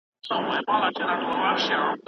رشوت بد دی.